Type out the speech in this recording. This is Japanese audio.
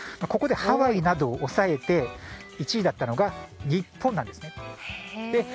ここでハワイなどを押さえて１位だったのが日本なんです。